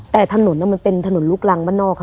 แต่ถนนมันเป็นถนนดรุกหลังบ้านนอก